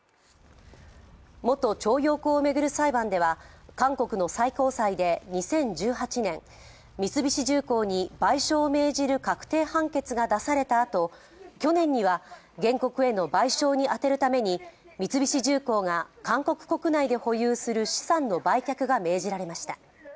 元徴用工を巡る裁判では韓国の最高裁で２０１８年三菱重工に賠償を命じる確定判決が出されたあと去年には原告への賠償に充てるために三菱重工が韓国国内で保有する資産の売却が命じられました。